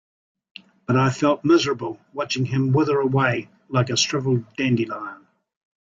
But I felt miserable watching him wither away like a shriveled dandelion.